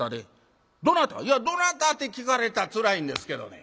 「いやどなたって聞かれたらつらいんですけどね。